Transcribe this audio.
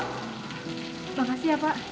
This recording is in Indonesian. terima kasih ya pak